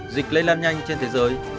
dịch lây lan nhanh trên thế giới